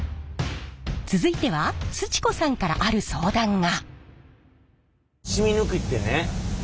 続いてはすち子さんからある相談が。